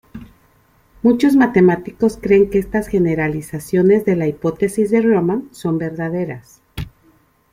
Muchos matemáticos creen que estas generalizaciones de la hipótesis de Riemann son verdaderas.